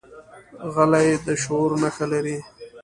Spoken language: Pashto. غلی، د شعور نښه لري.